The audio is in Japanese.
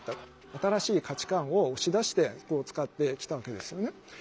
新しい価値観を押し出してこう使ってきたわけですよね。